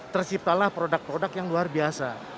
terciptalah produk produk yang luar biasa